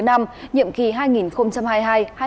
nhiệm kỳ hai nghìn hai mươi hai hai nghìn hai mươi bảy